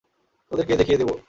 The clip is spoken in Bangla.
তোদের কে দেখিয়ে দেবো।